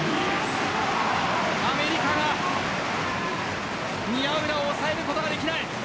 アメリカが宮浦を抑えることができない。